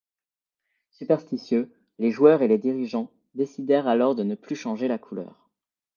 Superstitieux, les joueurs et les dirigeants décidèrent alors de ne plus changer la couleur.